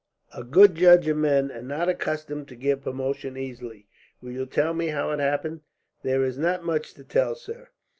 "A good judge of men, and not accustomed to give promotion easily. Will you tell me how it happened?" "There is not much to tell, sir.